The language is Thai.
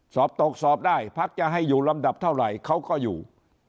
สอบตกสอบได้พักจะให้อยู่ลำดับเท่าไหร่เขาก็อยู่